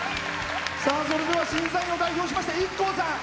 それでは、審査員を代表しましてＩＫＫＯさん。